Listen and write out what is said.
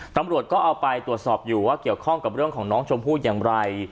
ตำรวจก็เอาไปตรวจสอบอยู่ว่าเกี่ยวข้องกับเรื่องของน้องชมพู่อย่างไร